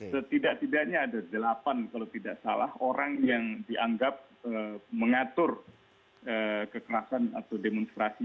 setidak tidaknya ada delapan kalau tidak salah orang yang dianggap mengatur kekerasan atau demonstrasi